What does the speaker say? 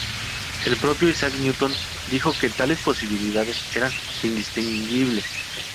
El propio Isaac Newton dijo que tales posibilidades eran indistinguibles.